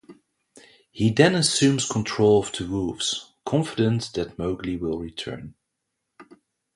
He then assumes control of the wolves, confident that Mowgli will return.